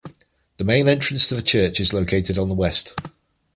The main entrance to the church is located on the west.